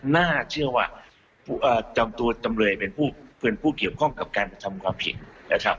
น่าเชื่อว่าตัวจำเลยเป็นเพื่อนผู้เกี่ยวข้องกับการทำความผิด